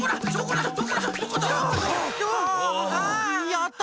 やった！